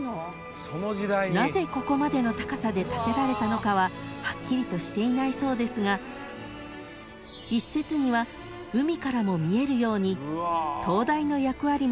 ［なぜここまでの高さで建てられたのかははっきりとしていないそうですが一説には海からも見えるように］